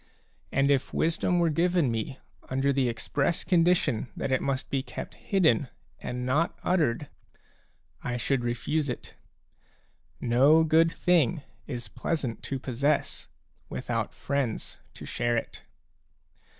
And if wisdom were given me under the express condition that it must be kept hidden and not uttered, I should refuse it. No good thing is pleasant to possess, without friends to share it.